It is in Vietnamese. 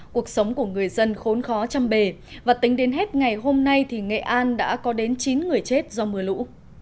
cuộc sống của người dân khốn khó chăm bề và tính đến hết ngày hôm nay thì nghệ an đã có đến chín người chết do mưa lũ